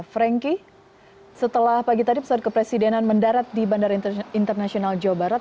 frankie setelah pagi tadi pesawat kepresidenan mendarat di bandara internasional jawa barat